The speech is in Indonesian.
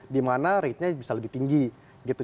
dimana ratenya bisa lebih tinggi gitu